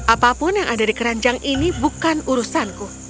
apapun yang ada di keranjang ini bukan urusanku